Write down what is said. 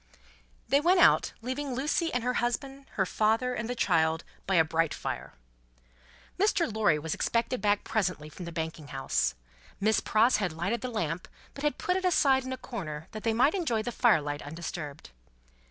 They went out, leaving Lucie, and her husband, her father, and the child, by a bright fire. Mr. Lorry was expected back presently from the Banking House. Miss Pross had lighted the lamp, but had put it aside in a corner, that they might enjoy the fire light undisturbed.